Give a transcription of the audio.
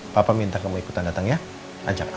papa minta kamu ikutan datang ya ajak